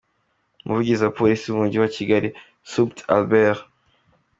Umuvugizi wa Polisi mu mujyi wa Kigali Supt Albert N.